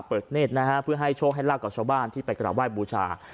เปิดเน็ตนะฮะเพื่อให้โชคให้รักกับชาวบ้านที่ไปกระดาษไหว้บูชา